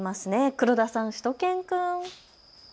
黒田さん、しゅと犬くん。